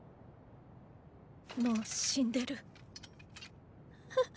もう死んでる。